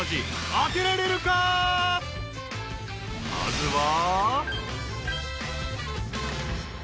［まずは］